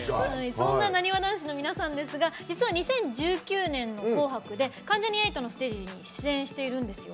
そんななにわ男子の皆さんですが実は２０１９年の「紅白」で関ジャニ∞のステージに出演してるんですよ。